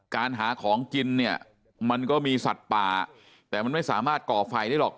การหาของกินเนี่ยมันก็มีสัตว์ป่าแต่มันไม่สามารถก่อไฟได้หรอก